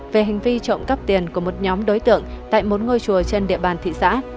về hành vi trộm cắp tiền của một nhóm đối tượng tại một ngôi chùa trên địa bàn thị xã